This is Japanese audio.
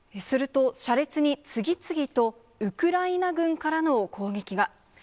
すると、車列に次々とウクライナ軍からの攻撃が。